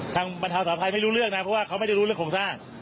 บรรเทาสาภัยไม่รู้เรื่องนะเพราะว่าเขาไม่ได้รู้เรื่องโครงสร้าง